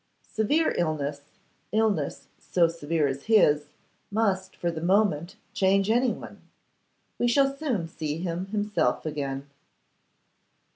'Severe illness, illness so severe as his, must for the moment change anyone; we shall soon see him himself again.